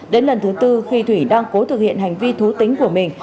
đến lần thứ tư khi thủy đang cố thực hiện hành vi thú tính của mình